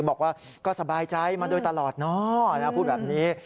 บอกว่าก็สบายใจมาโดยตลอดเนาะพูดแบบนี้